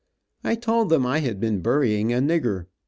I told them I had been burying a nigger.